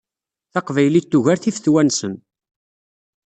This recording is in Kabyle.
Taqbaylit tugar tifetwa-nsen.